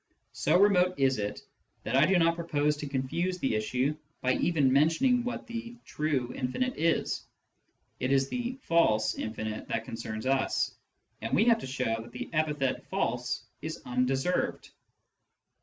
So remote is it that I do not propose to confuse the issue by even mentioning what the "true" infinite is. It is the "false" infinite that concerns us, and we have to show that the epithet " false " is undeserved.